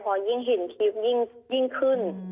พอยิ่งเห็นคลิปยิ่งขึ้น